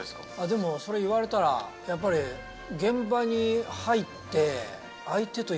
でもそれ言われたらやっぱり現場に入って。